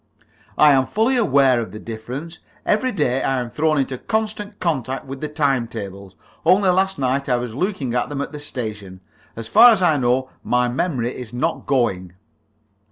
"I am fully aware of the difference. Every day I am thrown into constant contact with the time tables. Only last night I was looking at them at the station. As far as I know, my memory is not going."